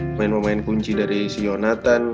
pemain pemain kunci dari si yonathan